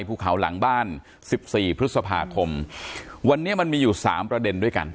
ภูเขาหลังบ้านสิบสี่พฤษภาคมวันนี้มันมีอยู่สามประเด็นด้วยกัน